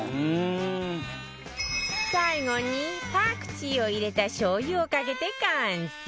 最後にパクチーを入れたしょう油をかけて完成